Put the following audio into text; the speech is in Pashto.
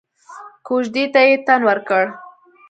کوژدې ته يې تن ورکړ.